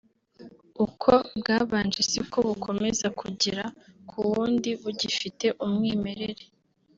uko bwabanje siko bukomeza kugera ku wundi bugifite umwimerere